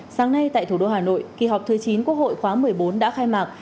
sáng nay tại thủ đô hà nội kỳ họp thứ chín quốc hội khóa một mươi bốn đã khai mạc